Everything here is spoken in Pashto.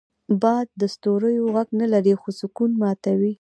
باد د ستوریو غږ نه لري، خو سکون ماتوي